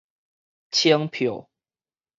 千票